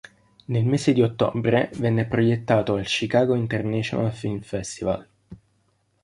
Nel mese di ottobre venne proiettato al Chicago International Film Festival.